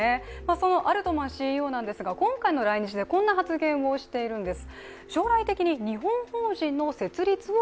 そのアルトマンＣＥＯなんですが今回の来日でこんな発言をしているんです。